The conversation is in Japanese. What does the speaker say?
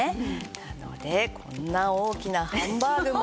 なのでこんな大きなハンバーグも。